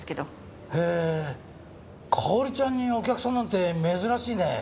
へえ香織ちゃんにお客さんなんて珍しいね。